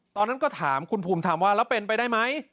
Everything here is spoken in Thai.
ตอนนั้นก็ถามคุณภูมิธรรมว่าแล้วเป็นไปได้ไหม